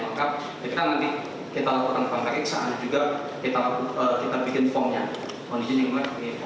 sehingga penelitikan baru dengan keseand extraordinarily unigmatif